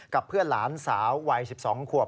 กับเพื่อนหลานสาววัย๑๒ขวบ